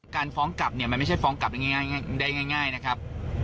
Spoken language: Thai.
การฟ้องกลับมันไม่ใช่ฟ้องกลับได้ง่ายนะครับ